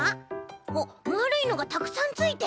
おっまるいのがたくさんついてる。